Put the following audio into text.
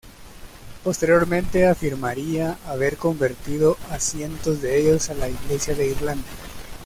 Posteriormente afirmaría haber convertido a cientos de ellos a la Iglesia de Irlanda.